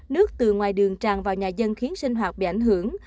nước từ ngoài đường tràn vào nhà dân khiến sinh hoạt bị ảnh hưởng